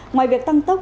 ngoài việc tăng tốc